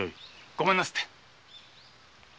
ごめんなすって。